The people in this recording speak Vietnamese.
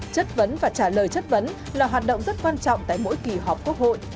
chất vấn và trả lời chất vấn là hoạt động rất quan trọng tại mỗi kỳ họp quốc hội